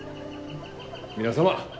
皆様